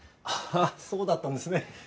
ああそうだったんですね。